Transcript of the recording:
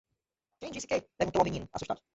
"Quem te disse que?" perguntou ao menino? assustado.